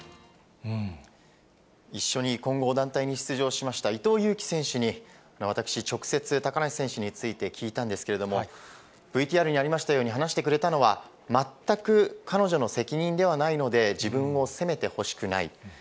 一緒に混合団体に出場しました伊藤有希選手に、私、直接、高梨選手について聞いたんですけども、ＶＴＲにありましたように話してくれたのは、全く彼女の責任ではないので、自分を責めてほしくない。